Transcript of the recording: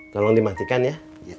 tolong dimatikan ya